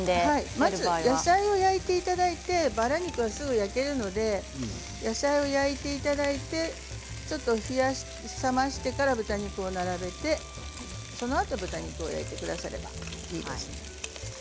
まず野菜を焼いていただいてバラ肉はすぐ焼けますから野菜を焼いていただいてから冷ましてから豚肉を並べてそのあと豚肉でいいと思います。